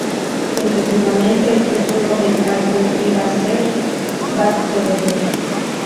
Tentativamente el título del álbum iba a ser "Back Together".